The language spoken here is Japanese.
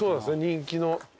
人気の。